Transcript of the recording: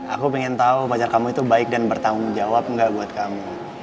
aku ingin tahu pacar kamu itu baik dan bertanggung jawab atau tidak buat kamu